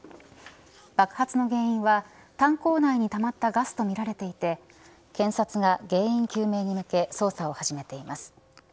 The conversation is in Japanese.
爆発の原因は炭坑内にたまったガスとみられていて検察が原因究明に向け捜査を始めています。